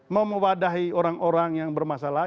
mau memadahi orang orang yang bermasalah